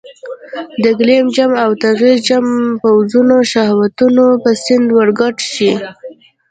د ګیلم جم او ټغر جم پوځونه شهوتونو په سیند ورګډ شي.